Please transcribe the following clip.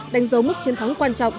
đánh dấu mức chiến thắng quan trọng